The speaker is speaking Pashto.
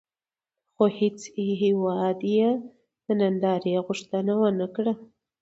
خو هېڅ هېواد یې د نندارې غوښتنه ونه کړه.